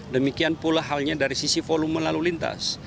demikian pula halnya dari sisi volume lalu lintas